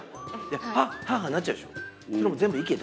で、はあはあなっちゃうでしょ。